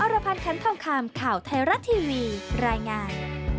รพันธ์คันทองคำข่าวไทยรัฐทีวีรายงาน